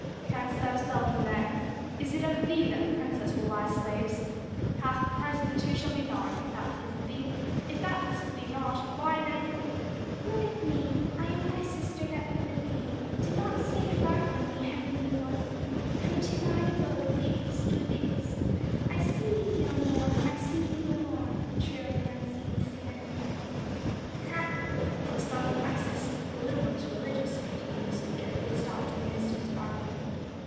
"Canst thou sell them then? Is it of thee that the princess will buy slaves? Half the price of the two shall be thine; if that pleaseth thee not, why then " "Look at me! I am thy sister that loveth thee, Do not stay far from me, heavenly one! Come to thine abode with haste, with haste I see thee no more. I see thee no more " trilled the unseen singer. "Ha! The song of Isis! The little one is religious," continued the speaker, who had stopped in the midst of his bargaining.